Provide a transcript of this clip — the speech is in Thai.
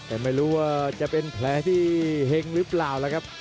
แท้ที่เฮงหรือเปล่าแล้วครับ